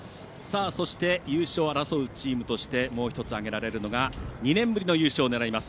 そして、優勝を争うチームとしてもう１つ挙げられるのが２年ぶりの優勝を狙います